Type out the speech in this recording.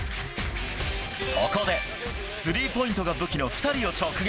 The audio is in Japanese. そこで、スリーポイントが武器の２人を直撃。